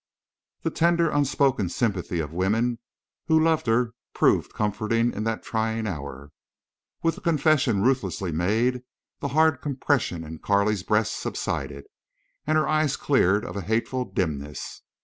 The tender unspoken sympathy of women who loved her proved comforting in that trying hour. With the confession ruthlessly made the hard compression in Carley's breast subsided, and her eyes cleared of a hateful dimness.